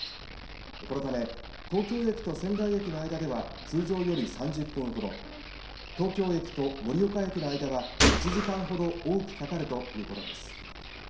このため東京駅と仙台駅の間では通常より３０分ほど東京駅と盛岡駅の間は１時間ほど多くかかるということです。